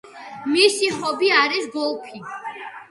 მის ჰობი არის გოლფი.